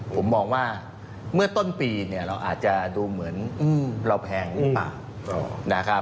ผมมองว่าเมื่อต้นปีเราอาจจะดูเหมือนเราแพงนี่ป่ะ